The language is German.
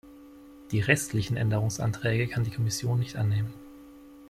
Die restlichen Änderungsanträge kann die Kommission nicht annehmen.